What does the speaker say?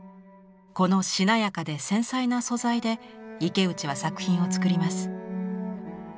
このしなやかで繊細な素材で池内は作品を作ります。